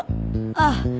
ああ。